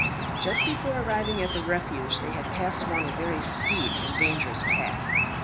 Just before arriving at the refuge, they had passed along a very steep and dangerous path.